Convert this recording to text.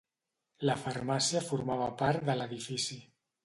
La farmàcia formava part de l'edifici.